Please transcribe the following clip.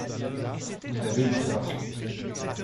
Vous avez eu tort…